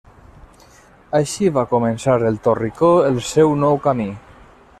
Així va començar el Torricó seu nou camí.